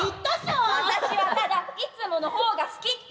私はただいつもの方が好きって言っただけで。